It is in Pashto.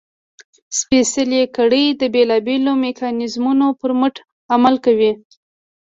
سپېڅلې کړۍ د بېلابېلو میکانیزمونو پر مټ عمل کوي.